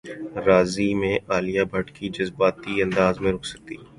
راضی میں عالیہ بھٹ کی جذباتی انداز میں رخصتی